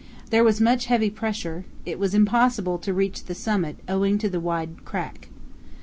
There was much heavy pressure; it was impossible to reach the summit owing to the wide crack.